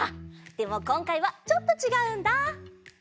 でもこんかいはちょっとちがうんだ。